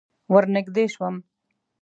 ور نږدې شوم.